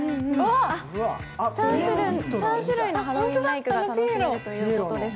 ３種類のハロウィーンメークが楽しめるということです。